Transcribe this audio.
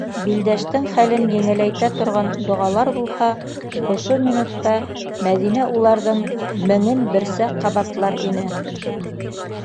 - Билдәштең хәлен еңеләйтә торған доғалар булһа, ошо минутта Мәҙинә уларҙың меңен берсә ҡабатлар ине.